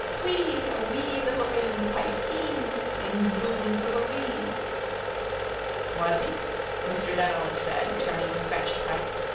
Pwee! A wee little wind piped eeee. In Bloom's little wee. —Was he? Mr Dedalus said, returning with fetched pipe.